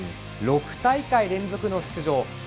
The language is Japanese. ６大会連続の出場。